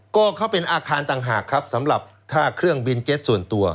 ก็เขาเป็นอาคารต่างหากครับสำหรับถ้าเครื่องบินเจ็ตส่วนตัว